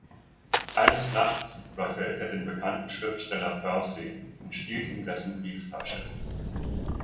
Eines Nachts überfällt er den bekannten Schriftsteller Percy und stiehlt ihm dessen Brieftasche.